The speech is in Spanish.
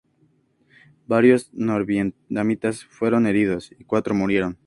Varios norvietnamitas fueron heridos, y cuatro murieron.